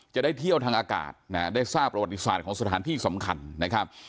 จะได้เที่ยวทางอากาศนะฮะได้ทราบประวัติศาสตร์ของสถานที่สำคัญนะครับ